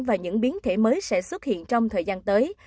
và những biến thể mới sẽ xuất hiện trong thời gian tới